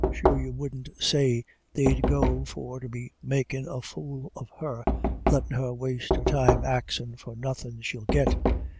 Sure you wouldn't say they'd go for to be makin' a fool of her, lettin' her waste her time axin' for nothin' she'll git.